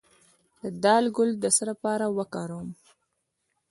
د دال ګل د څه لپاره وکاروم؟